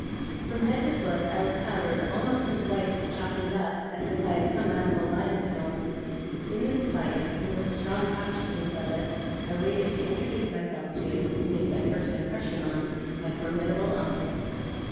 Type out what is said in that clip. From head to foot I was powdered almost as white with chalk and dust, as if I had come out of a lime kiln. In this plight, and with a strong consciousness of it, I waited to introduce myself to, and make my first impression on, my formidable aunt.